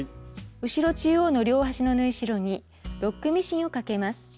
後ろ中央の両端の縫い代にロックミシンをかけます。